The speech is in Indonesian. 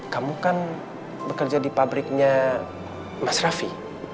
kamu kan bekerja di pabriknya mas raffi